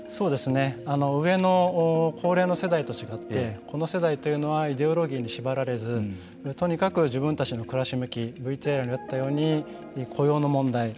上の高齢の世代と違ってこの世代というのはイデオロギーに縛られずとにかく自分たちの暮らし向きＶＴＲにあったように雇用の問題